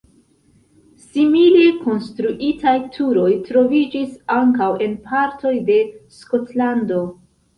Simile konstruitaj turoj troviĝis ankaŭ en partoj de Skotlando.